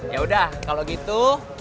ya udah kalau gitu